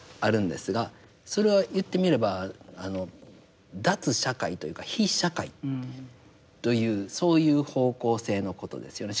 それは言ってみればあの脱社会というか非社会というそういう方向性のことですよね。